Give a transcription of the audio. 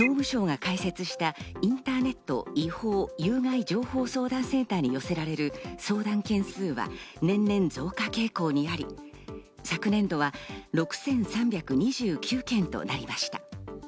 総務省が開設した、インターネット違法・有害情報相談センターに寄せられる相談件数は年々増加傾向にあり、昨年度は６３２９件となりました。